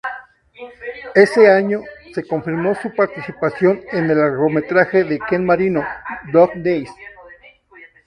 Ese año, se confirmó su participación en el largometraje de Ken Marino "Dog Days".